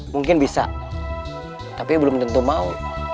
mungkin bisa tapi belum tentu mau